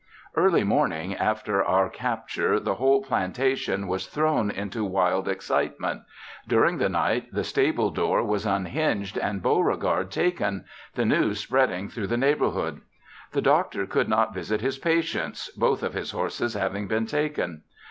Early the morning after our capture the whole plantation was thrown into wild excitement. During the night the stable door was unhinged and Beauregard taken, the news spreading through the neighborhood. The doctor could not visit his patients, both of his horses having been taken.